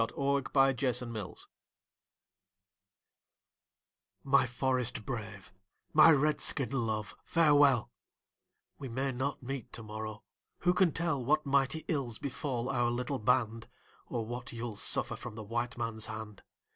A CRY FROM AN INDIAN WIFE My forest brave, my Red skin love, farewell; We may not meet to morrow; who can tell What mighty ills befall our little band, Or what you'll suffer from the white man's hand?